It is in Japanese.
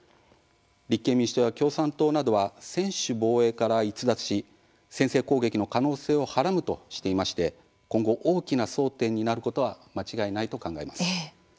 立憲民主党や共産党などは専守防衛から逸脱し先制攻撃の可能性をはらむとしていまして今後、大きな争点になることは間違いないと考えます。